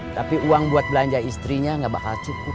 tapi uang buat belanja istrinya nggak bakal cukup